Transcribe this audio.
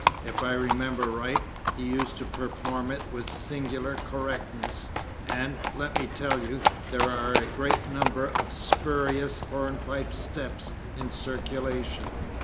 If I remember right, he used to perform it with singular correctness. And, let me tell you, there are a great number of spurious hornpipe steps in circulation.